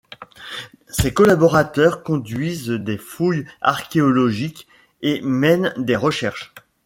Ses collaborateurs conduisent des fouilles archéologiques et mènent des recherches.